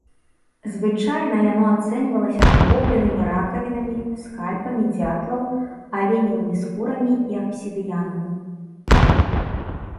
Звычайна яно ацэньвалася накопленымі ракавінамі, скальпамі дзятлаў, аленевымі скурамі і абсідыянам.